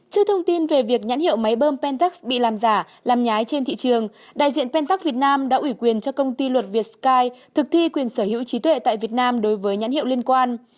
trước thông tin về việc nhãn hiệu máy bơm pentex bị làm giả làm nhái trên thị trường đại diện pentork việt nam đã ủy quyền cho công ty luật việt sky thực thi quyền sở hữu trí tuệ tại việt nam đối với nhãn hiệu liên quan